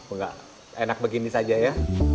enggak enak begini saja ya